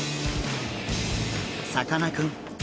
さかなクン